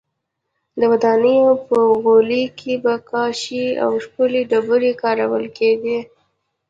د ودانیو په غولي کې به کاشي او ښکلې ډبرې کارول کېدې